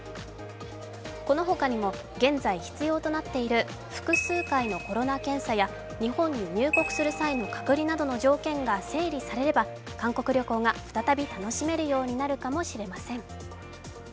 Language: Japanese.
このほかにも現在必要となっている複数回のコロナ検査や日本に入国する際の隔離などの条件が整理されれば、韓国旅行が再び楽しめるようになるかもしれません。